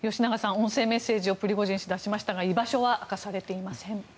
音声メッセージをプリゴジン氏が出しましたが居場所は明かされていません。